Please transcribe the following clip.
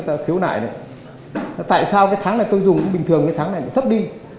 tại sao cái tháng này tôi dùng bình thường cái tháng này sắp đi